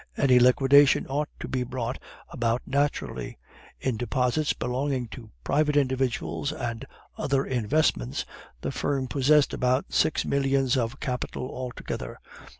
Any liquidation ought to be brought about naturally. In deposits belonging to private individuals and other investments, the firm possessed about six millions of capital altogether.